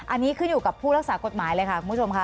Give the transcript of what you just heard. อันนี้ขึ้นอยู่กับผู้รักษากฎหมายเลยค่ะคุณผู้ชมค่ะ